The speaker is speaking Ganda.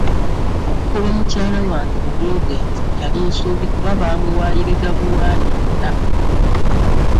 Okugoba mukyala wange olw'obwenzi yali nsobi kuba baamuwayiriza buwaayiriza.